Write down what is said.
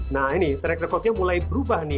nah ini track record nya mulai berubah nih